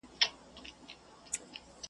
درته موسکی به وي نامرده رقیب .